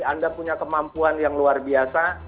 anda punya kemampuan yang luar biasa